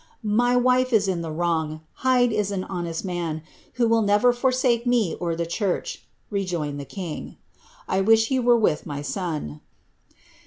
My wife is is the wrong; Hyde is an honest man, who will never forsake me orlhs church," rejoined the king. ^ I wish he were with my son."